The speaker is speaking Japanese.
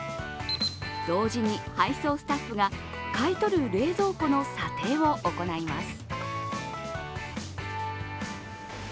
同時に配送スタッフが買い取る冷蔵庫の査定を行います。